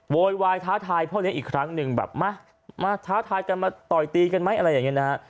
โวยวายท้าทายพ่อเลี้ยงอีกครั้งหนึ่งแบบมามาท้าทายกันมาต่อยตีกันไหมอะไรอย่างนี้นะฮะ